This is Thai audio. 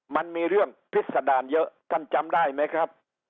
มันมีเรื่องพิษดารเยอะท่านจำได้ไหมครับ